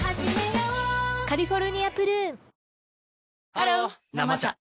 ハロー「生茶」